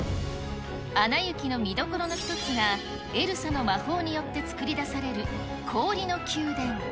アナ雪の見どころの一つが、エルサの魔法によって作り出される氷の宮殿。